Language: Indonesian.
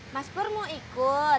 mas pur mau ikut